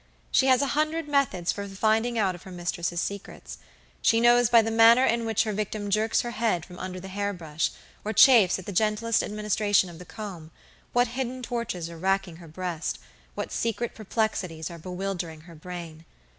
She has a hundred methods for the finding out of her mistress' secrets. She knows by the manner in which her victim jerks her head from under the hair brush, or chafes at the gentlest administration of the comb, what hidden tortures are racking her breastwhat secret perplexities are bewildering her brain.